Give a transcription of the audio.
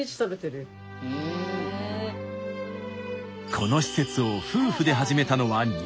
この施設を夫婦で始めたのは２０年前。